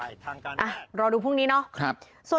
รอดูพรุ่งนี้เนาะ